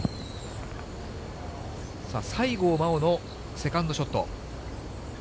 西郷真央のセカンドショット。